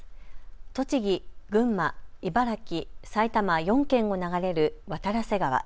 栃木、群馬、茨城、埼玉、４県を流れる渡良瀬川。